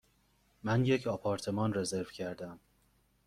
من یک آپارتمان رزرو کردم.